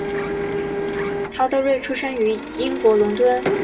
陶德瑞出生于英国伦敦。